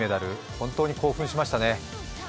本当に興奮しましたね。